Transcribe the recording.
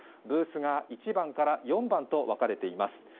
ブースが１番から４番と分かれています。